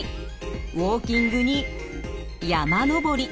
ウォーキングに山登り。